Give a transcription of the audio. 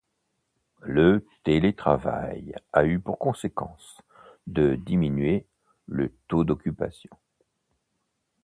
Le télétravail a eu pour conséquence de diminuer le taux d’occupation